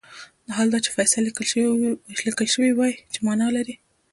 حال دا چې فصیل لیکل شوی وای چې معنی لري.